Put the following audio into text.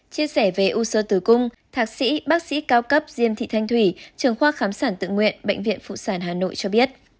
chia sẻ về u sơ tử cung thạc sĩ bác sĩ cao cấp diêm thị thanh thủy trường khoa khám sản tự nguyện bệnh viện phụ sản hà nội cho biết